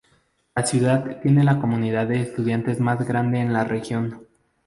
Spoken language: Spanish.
La ciudad tiene la comunidad de estudiantes más grande en la región.